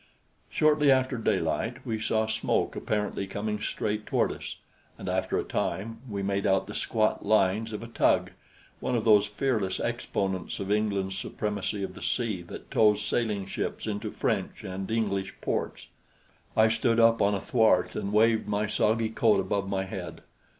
Shortly after daylight we saw smoke apparently coming straight toward us, and after a time we made out the squat lines of a tug one of those fearless exponents of England's supremacy of the sea that tows sailing ships into French and English ports. I stood up on a thwart and waved my soggy coat above my head.